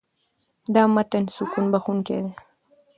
دا متن سکون بښونکی دی.